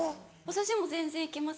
私も全然行けます。